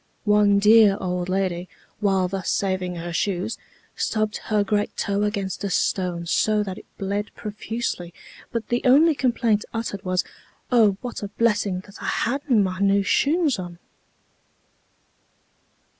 One dear old lady, while thus saving her shoes, stubbed her great toe against a stone so that it bled profusely, but the only complaint uttered was, "Oh, what a blessing that I hadna my new shoons on."